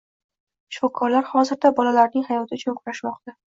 Shifokorlar hozirda bolalarning hayoti uchun kurashmoqda